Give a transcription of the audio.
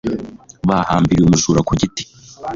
bahambiriye umujura ku giti